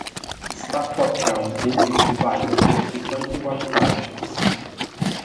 Stafford County is divided into twenty-one townships.